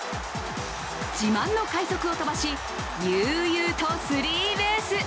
自慢の快足を飛ばし悠々とスリーベース。